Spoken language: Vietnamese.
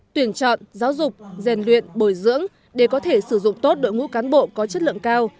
tuyển chọn giáo dục rèn luyện bồi dưỡng để có thể sử dụng tốt đội ngũ cán bộ có chất lượng cao